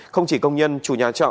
không chỉ công nhân chủ nhà chợ